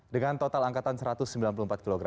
dengan total angkatan satu ratus sembilan puluh empat kg